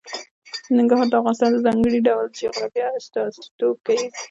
ننګرهار د افغانستان د ځانګړي ډول جغرافیه استازیتوب کوي.